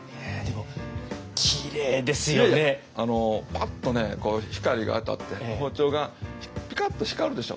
パッとねこう光が当たって包丁がピカッと光るでしょ？